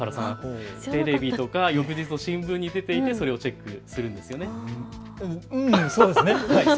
テレビとか翌日の新聞に出ていたりして、それをチェックするんですよね。